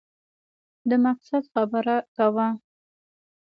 د مقصد خبره کوه !